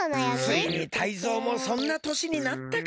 ついにタイゾウもそんなとしになったか！